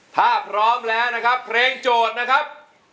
ถ้าพร้อมแล้วนะครับเพลงโจทย์นะครับ